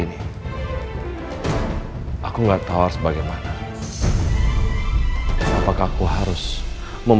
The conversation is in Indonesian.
namun saya masih satu orang yang membesar jika kamu itu orang lain